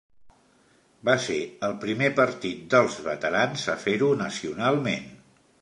Va ser el primer Partit dels Veterans a fer-ho nacionalment.